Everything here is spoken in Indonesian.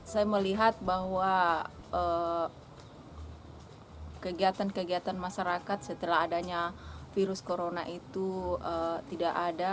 saya melihat bahwa kegiatan kegiatan masyarakat setelah adanya virus corona itu tidak ada